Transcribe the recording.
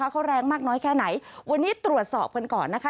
เขาแรงมากน้อยแค่ไหนวันนี้ตรวจสอบกันก่อนนะคะ